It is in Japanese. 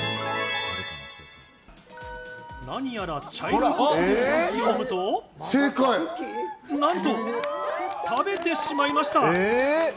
なにやら茶色いコップを持つとなんと食べてしまいました。